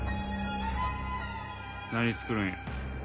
何作るんや？